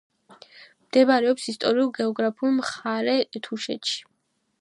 მდებარეობს ისტორიულ-გეოგრაფიულ მხარე თუშეთში.